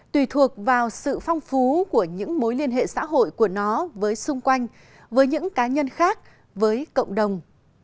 tùy thuộc vào sự phong phú của những mối liên hệ xã hội của nó với xung quanh với những cá nhân khác với cộng đồng